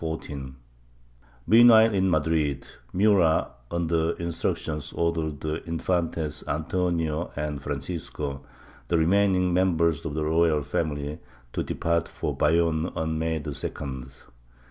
Meanwhile in Madrid, Murat, under instructions, ordered the Infantes Antonio and Francisco, the remaining members of the royal family, to depart for Bay onne on May 2d.